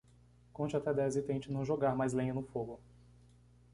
Conte até dez e tente não jogar mais lenha no fogo.